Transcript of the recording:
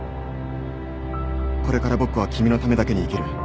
これから僕は君のためだけに生きる